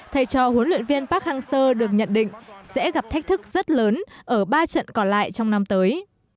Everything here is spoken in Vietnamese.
thầy trò huấn luyện viên park hang seo được nhận định sẽ gặp thách thức rất lớn ở ba trận còn lại trong năm tới